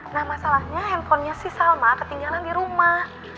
nah masalahnya handphonenya si salma ketinggalan di rumah